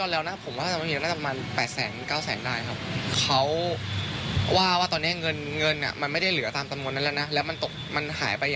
แล้วก็เอาไปใช้อะไรอย่างนี้ก็คือเหมือนกับประมาณว่า